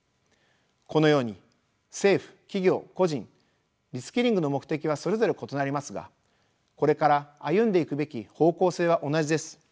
このように政府・企業・個人リスキリングの目的はそれぞれ異なりますがこれから歩んでいくべき方向性は同じです。